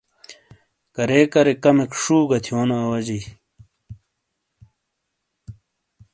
کرےکرے کمیک شُو گہ تھیونو اواجئی۔